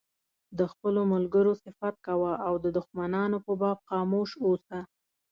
د خپلو ملګرو صفت کوه او د دښمنانو په باب خاموش اوسه.